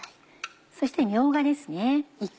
そしてみょうがですね。